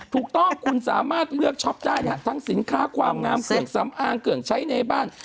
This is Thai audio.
ถูกต้องคุณสามารถเลือกช็อปได้นะฮะทั้งสินค้าความงามเครื่องสำอางเครื่องใช้ในบ้าน